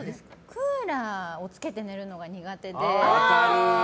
クーラーをつけて寝るのが苦手で。